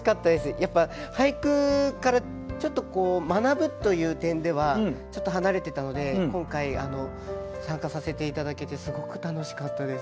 やっぱ俳句からちょっと学ぶという点ではちょっと離れてたので今回参加させて頂けてすごく楽しかったです。